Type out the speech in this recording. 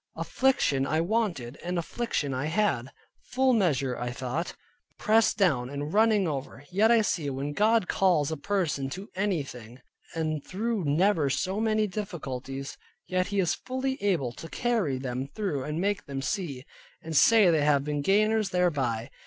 Affliction I wanted, and affliction I had, full measure (I thought), pressed down and running over. Yet I see, when God calls a person to anything, and through never so many difficulties, yet He is fully able to carry them through and make them see, and say they have been gainers thereby.